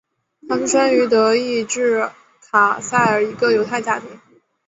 他出生于德意志卡塞尔一个犹太家庭。